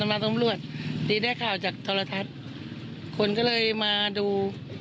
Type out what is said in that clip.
มาสำรวจที่ได้ข่าวจากโทรทัศน์คนก็เลยมาดู